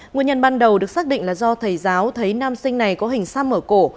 nguyên nhân ban đầu được xác định là do thầy giáo thấy nam sinh này có hình xăm mở cổ